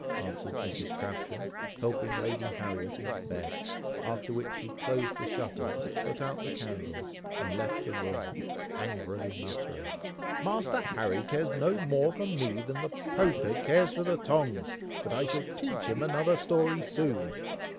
answered Mrs. Crabtree, helping Lady Harriet into bed, after which she closed the shutters, put out the candles, and left the room, angrily muttering, "Master Harry cares no more for me than the poker cares for the tongs, but I shall teach him another story soon."